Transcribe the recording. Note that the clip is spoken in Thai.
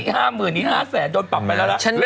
ห้ามืดนี้ห้าแสนโดนปรับไปแล้วนะ